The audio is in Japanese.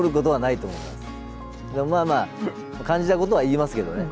まあまあ感じたことは言いますけどね。